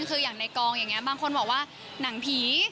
คืออย่างในกองอย่างนี้บางคนบอกว่าหนังผี